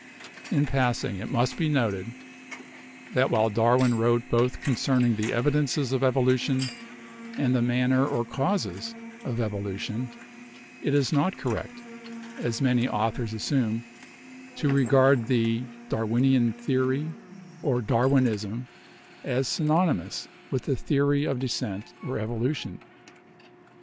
In passing, it must be noted that while Darwin wrote both concerning the evidences of evolution and the manner or causes of evolu tion, it is not correct, as many authors assume, to regard the 'Darwinian Theory' or 'Darwinism' as synonymous with the theory of descent or evolution.